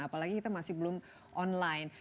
apalagi kita masih belum online